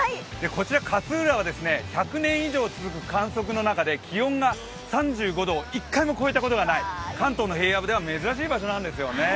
こちら勝浦は１００年以上続く観測の中で、気温が３５度を一回も超えたことがない関東の平野部では珍しい場所なんですよね。